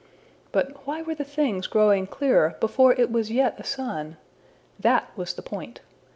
But why were the things growing clearer before it was yet a sun? That was the point.